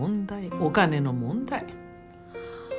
お金の問題。